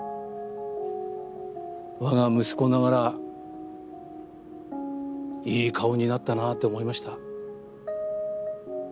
わが息子ながらいい顔になったなと思いました。